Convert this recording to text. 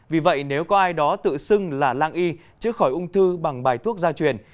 vì vậy nếu có ai đó tự xưng là lang y chứ khỏi ung thư bằng bài thuốc gia truyền